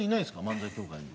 漫才協会に。